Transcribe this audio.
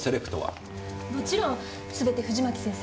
もちろんすべて藤巻先生が。